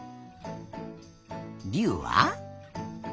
りゅうは？